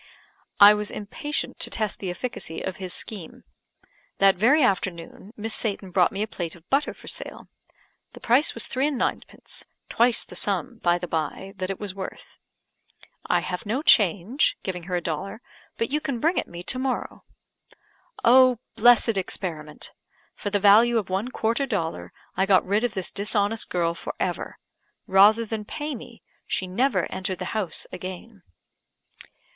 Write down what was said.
I was impatient to test the efficacy of his scheme That very afternoon Miss Satan brought me a plate of butter for sale. The price was three and ninepence; twice the sum, by the bye, that it was worth. "I have no change," giving her a dollar; "but you can bring it me to morrow." Oh, blessed experiment! for the value of one quarter dollar I got rid of this dishonest girl for ever; rather than pay me, she never entered the house again.